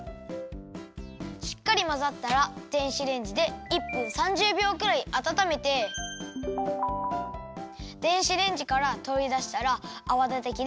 しっかりまざったら電子レンジで１分３０びょうくらいあたためて電子レンジからとりだしたらあわだてきですばやくかきまぜるよ。